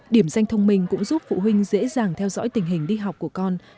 điểm danh thông minh cũng giúp phụ huynh dễ dàng theo dõi tình hình đi học của con